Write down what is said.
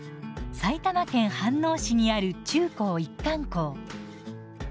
埼玉県飯能市にある中高一貫校。